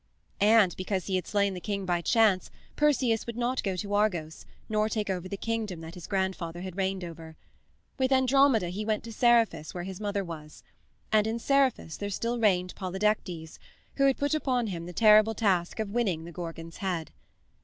And because he had slain the king by chance Perseus would not go to Argos, nor take over the kingdom that his grandfather had reigned over. With Andromeda he went to Seriphus where his mother was. And in Seriphus there still reigned Polydectes, who had put upon him the terrible task of winning the Gorgon's head.